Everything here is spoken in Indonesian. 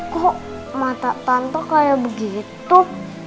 kok mata tante kayak begitu